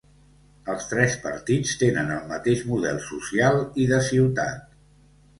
Els tres partits tenen el mateix model social i de ciutat.